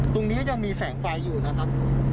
ตรงนี้ยังมีแสงไฟอยู่นะครับ